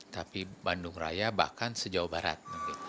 tapi bandung raya bahkan sejauh barat